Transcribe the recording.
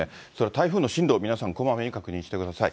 台風の進路、皆さん、こまめに確認してください。